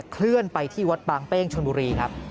เคลื่อนไปที่วัดบางเป้งชนบุรีครับ